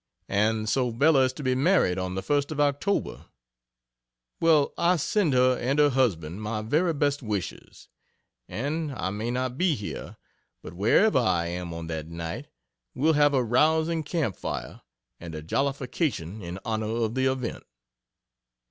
And so Bella is to be married on the 1st of Oct. Well, I send her and her husband my very best wishes, and I may not be here but wherever I am on that night, we'll have a rousing camp fire and a jollification in honor of the event.